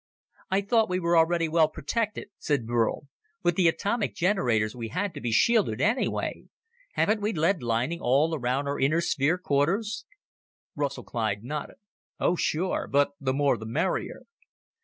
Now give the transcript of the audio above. "I thought we were already well protected," said Burl. "With the atomic generators, we had to be shielded anyway. Haven't we lead lining all around our inner sphere quarters?" Russell Clyde nodded. "Oh, sure, but the more the merrier."